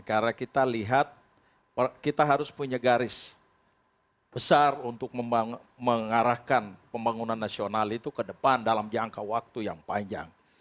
karena kita lihat kita harus punya garis besar untuk mengarahkan pembangunan nasional itu ke depan dalam jangka waktu yang panjang